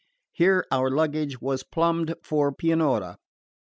Here our luggage was plumbed for Pianura.